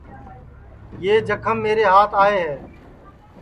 یو جکھم میرے ہات آئے ہے